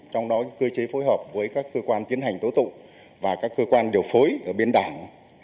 trong đó cơ chế phối hợp với các cơ quan tiến hành tố tụng và các cơ quan điều phối ở bên đảng